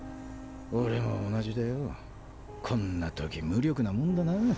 俺も同じだよこんな時無力なもんだな。